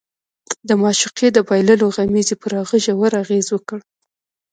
د معشوقې د بایللو غمېزې پر هغه ژور اغېز وکړ